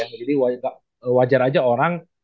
jadi wajar aja orang